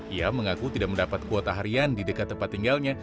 ia mengaku tidak mendapat kuota harian di dekat tempat tinggalnya